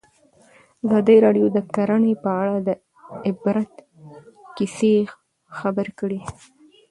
ازادي راډیو د کرهنه په اړه د عبرت کیسې خبر کړي.